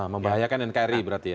membahayakan nkri berarti ya